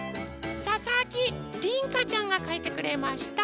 ささきりんかちゃんがかいてくれました。